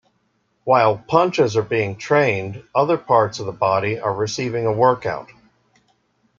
While punches are being trained, other parts of the body are receiving a workout.